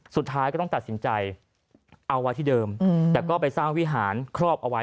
สุดท้ายก็ต้องตัดสินใจเอาไว้ที่เดิมแต่ก็ไปสร้างวิหารครอบเอาไว้